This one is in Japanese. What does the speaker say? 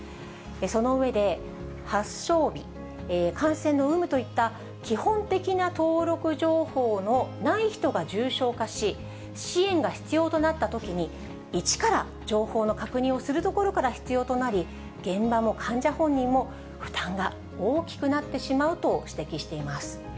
その上で、発症日、感染の有無といった基本的な登録情報のない人が重症化し、支援が必要となったときに、一から情報の確認をするところから必要となり、現場も患者本人も負担が大きくなってしまうと指摘しています。